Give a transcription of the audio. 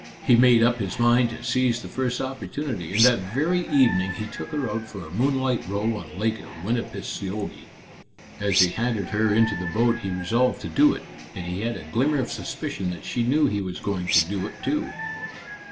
He made up his mind to seize the first opportunity, and that very evening he took her out for a moonlight row on Lake Winipiseogee. As he handed her into the boat he resolved to do it, and he had a glimmer of suspicion that she knew he was going to do it, too."